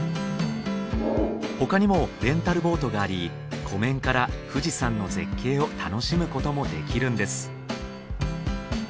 他にもレンタルボートがあり湖面から富士山の絶景を楽しむこともできるんです